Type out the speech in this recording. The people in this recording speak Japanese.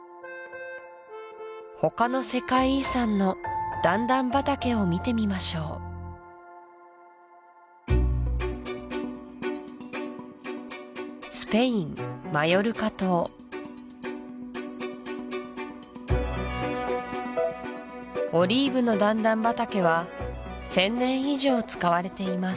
他の世界遺産の段々畑を見てみましょうオリーブの段々畑は１０００年以上使われています